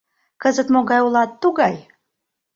Кызыт могай улат, тугай.